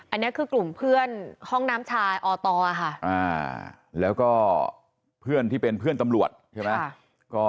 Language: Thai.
อันนี้คือกลุ่มเพื่อนห้องน้ำชายอตค่ะแล้วก็เพื่อนที่เป็นเพื่อนตำรวจใช่ไหม